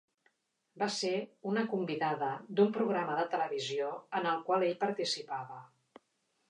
Va ser una convidada d’un programa de televisió en el qual ell participava.